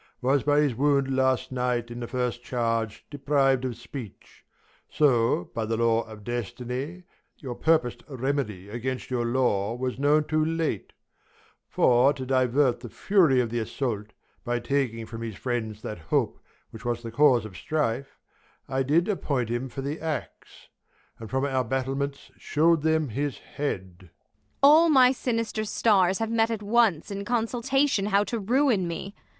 Was by his wound last night in the first charge Depriv'd of speech ; so, by the law of destiny, Your purpos'd remedy against your law Was known too late : for, to divert The fury of th' assault, by taking from His friends that hope which was the cause of strife, I did appoint him for the axe ; and from Our battlements shew'd them his head. Ang. All my sinister stars have met at once In consultation how to ruin me.